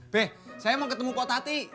be saya mau ketemu pak tati